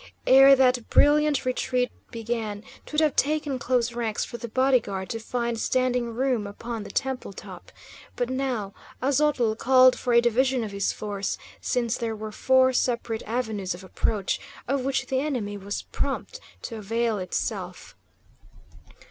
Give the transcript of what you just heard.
Ere that brilliant retreat began, 'twould have taken close ranks for the body guard to find standing room upon the temple top; but now Aztotl called for a division of his force, since there were four separate avenues of approach, of which the enemy was prompt to avail itself.